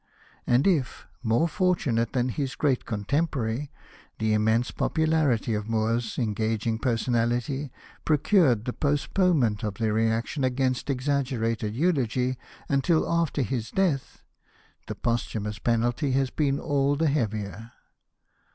And if, more fortunate than his great contemporary, the immense popularity of Moore's engaging personality procured the postponement of the reaction against exaggerated eulogy until after his death, the posthumous penalty has been all the heavier.